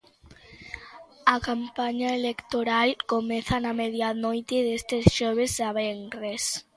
A campaña electoral comeza na medianoite deste xoves a venres.